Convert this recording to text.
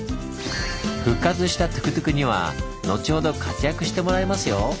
復活したトゥクトゥクには後ほど活躍してもらいますよ！